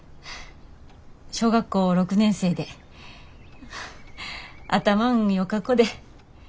小学校６年生で頭んよか子で。